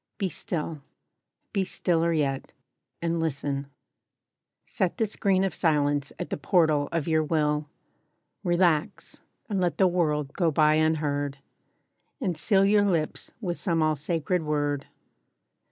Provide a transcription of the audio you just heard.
BE STILL: Be stiller yet; and listen. Set the screen Of silence at the portal of your will. Relax, and let the world go by unheard. And seal your lips with some all sacred word.